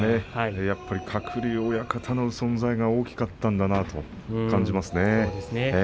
やっぱり鶴竜親方の存在が大きかったんだなと感じますね。